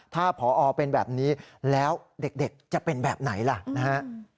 ถ้าผอเป็นแบบนี้แล้วเด็กจะเป็นแบบไหนล่ะนะฮะ